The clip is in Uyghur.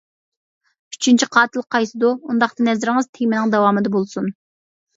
ئۈچىنچى قاتىل قايسىدۇ؟ ئۇنداقتا نەزىرىڭىز تېمىنىڭ داۋامىدا بولسۇن.